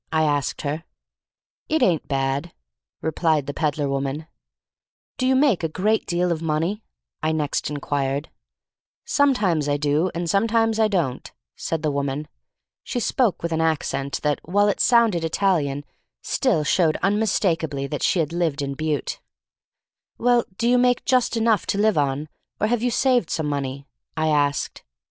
'* I asked her. "It ain't bad," replied the peddler woman. THE STORY OF MARY MAC LANE 305 "Do you make a great deal of money?" I next inquired. "Sometime I do, and sometime I don't," said the woman. She spoke with an accent that, while it sounded Italian, still showed unmistakably that she had lived in Butte. "Well, do you make just enough to live on, or have you saved some money?" I asked.